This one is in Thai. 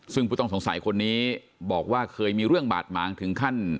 ซึ่งผู้ต้องสงสัยคนนี้บอกว่าเคยมีเรื่องบาดหมางถึงขั้น